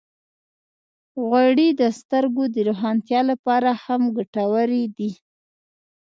غوړې د سترګو د روښانتیا لپاره هم ګټورې دي.